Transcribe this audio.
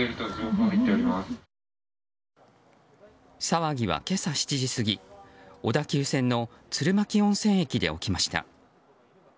騒ぎは今朝７時過ぎ小田急線の鶴巻温泉駅で起きました。